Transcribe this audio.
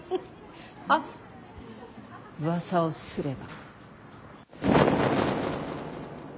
あっうわさをすれば。